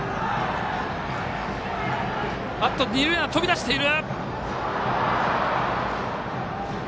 二塁ランナー飛び出している！